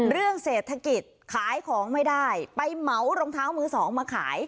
เรื่องเศรษฐกิจขายของไม่ได้ไปเหมารองเท้ามือสองมาขาย